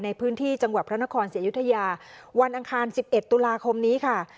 ในพื้นที่จังหวัดพระนครศรีอยุธยาวันอังคาร๑๑ตุลาคมนี้ค่ะ